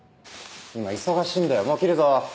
今忙しいんだよもう切るぞ。